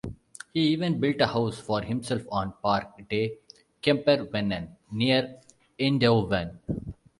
He even built a house for himself on park "De Kempervennen" near Eindhoven.